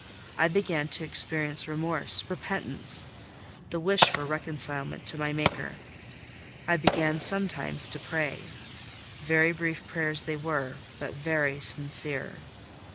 I began to experience remorse, repentance; the wish for reconcilement to my Maker. I began sometimes to pray: very brief prayers they were, but very sincere.